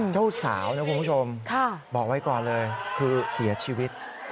เจ้าสาวนะคุณผู้ชมบอกไว้ก่อนเลยคือเสียชีวิต